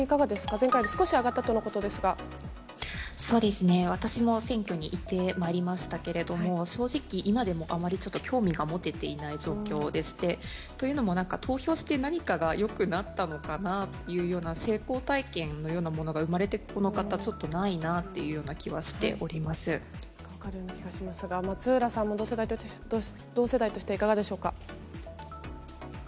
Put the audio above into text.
前回より少し上がったということそうですね、私も選挙に行ってまいりましたけれども、正直今でもあまり興味が持てていない状況でして、というのも、なんか投票して何かがよくなったのかなというような、成功体験のようなものが生まれてこのかた、ちょっとないなという分かるような気がしますが、松浦さんも同世代としていかがでしょうか？